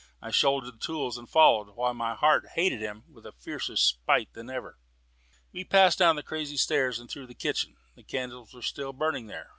I shouldered the tools and followed, while my heart hated him with a fiercer spite than ever. We passed down the crazy stairs and through the kitchen. The candles were still burning there.